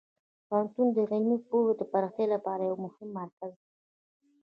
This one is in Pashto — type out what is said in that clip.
پوهنتون د علمي پوهې پراختیا لپاره یو مهم مرکز دی.